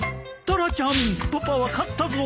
タラちゃんパパは勝ったぞ。